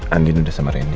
andin sudah sama randy